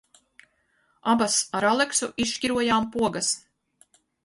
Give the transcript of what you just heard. Abas ar Aleksu izšķirojām pogas.